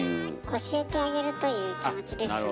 教えてあげるという気持ちですね。